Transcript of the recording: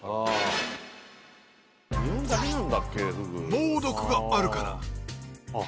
猛毒があるからあっ